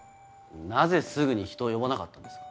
なぜすぐに人を呼ばなかったんですか？